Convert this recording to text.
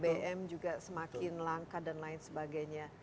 bbm juga semakin langka dan lain sebagainya